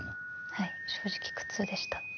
はい正直苦痛でした。